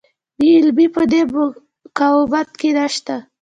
بې عملي په دې مقاومت کې نشته.